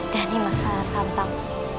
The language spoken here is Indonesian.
dan ini masalah santang